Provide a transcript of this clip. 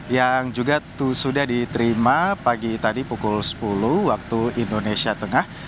yang juga sudah diterima pagi tadi pukul sepuluh waktu indonesia tengah